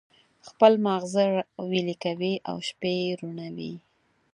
خپل مازغه ویلي کوي او شپې روڼوي.